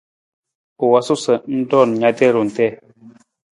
U wosu sa ng roon na tarung tii.